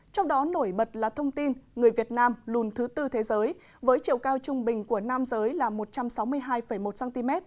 trong đó nổi bật là thông tin người việt nam lùn thứ tư thế giới với chiều cao trung bình của nam giới là một trăm sáu mươi hai một cm